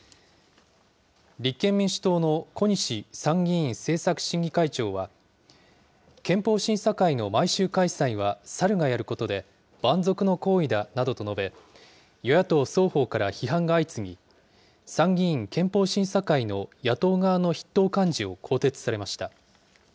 立憲民主党の小西参議院政策審議会長は、憲法審査会の毎週開催はサルがやることで、蛮族の行為だなどと述べ、与野党双方から批判が相次ぎ、参議院憲法審査会の野党側の筆頭幹事を更迭されました。